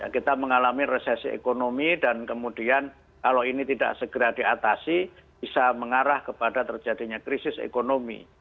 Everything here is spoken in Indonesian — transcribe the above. kita mengalami resesi ekonomi dan kemudian kalau ini tidak segera diatasi bisa mengarah kepada terjadinya krisis ekonomi